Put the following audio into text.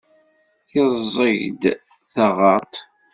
Yeẓẓeg-d taɣaḍt.